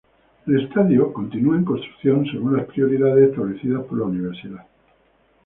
El estadio continúa en construcción, según las prioridades establecidas por la Universidad.